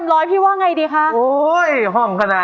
ตราบที่ทุกลมหายใจขึ้นหอดแต่ไอ้นั้น